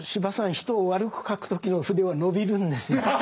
人を悪く書く時の筆は伸びるんですよ。